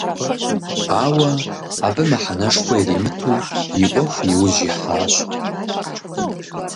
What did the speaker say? Ауэ абы мыхьэнэшхуэ иримыту и Ӏуэху и ужь ихьащ.